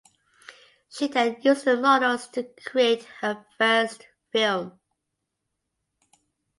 She then used the models to create her first film.